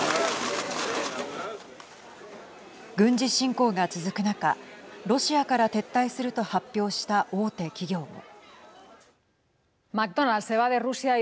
軍事侵攻が続く中ロシアから撤退すると発表した大手企業も。